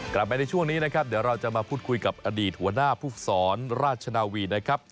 กลับมาในช่วงนี้นะครับเดี๋ยวเราจะมาพูดคุยกับอดีตหัวหน้าผู้ฝึกศรราชนาวีนะครับ